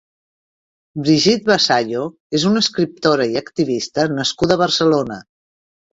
Brigitte Vasallo és una escriptora i activista nascuda a Barcelona.